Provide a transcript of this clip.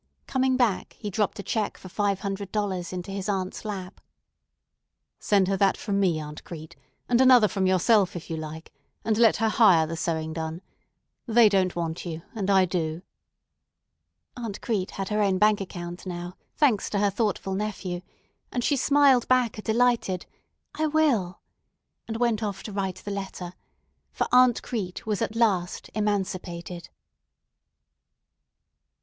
Coming back, he dropped a check for five hundred dollars into his aunt's lap. [Illustration: "AUNT CRETE WAS AT LAST EMANCIPATED"] "Send her that from me, Aunt Crete, and another from yourself, if you like, and let her hire the sewing done. They don't want you, and I do." Aunt Crete had her own bank account now, thanks to her thoughtful nephew, and she smiled back a delighted, "I will," and went off to write the letter; for Aunt Crete was at last emancipated.